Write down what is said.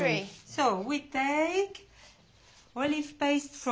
そう。